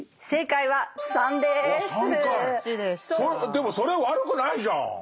でもそれは悪くないじゃん！